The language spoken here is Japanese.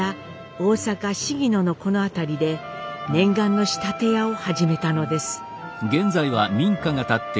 大阪鴫野のこの辺りで念願の仕立屋を始めたのです。